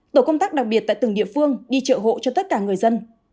tổ công tác đặc biệt tại từng địa phương đi chợ hộ cho tất cả người dân